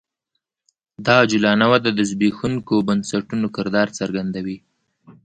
دا عجولانه وده د زبېښونکو بنسټونو کردار څرګندوي